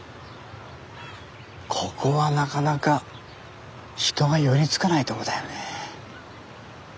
ここはなかなか人が寄りつかないとこだよね。